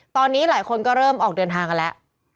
ตอนนี้หลายคนก็เริ่มออกเดินทางกันแล้ว